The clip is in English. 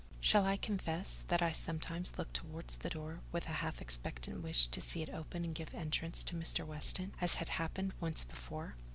Shall I confess that I sometimes looked towards the door with a half expectant wish to see it open and give entrance to Mr. Weston, as had happened once before?